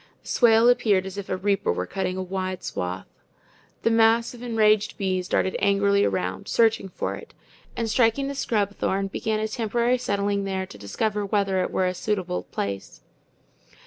The swale appeared as if a reaper were cutting a wide swath. The mass of enraged bees darted angrily around, searching for it, and striking the scrub thorn, began a temporary settling there to discover whether it were a suitable place.